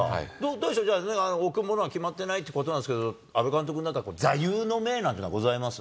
どうでしょう、じゃあ、置くものは決まってないということなんですけども、阿部監督の座右の銘なんていうのはございます？